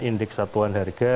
indeks satuan harga